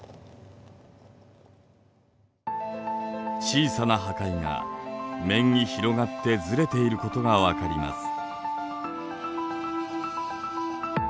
小さな破壊が面に広がってずれていることが分かります。